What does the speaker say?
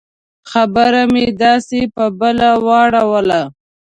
خبره مې داسې په بله واړوله.